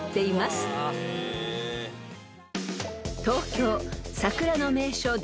［東京桜の名所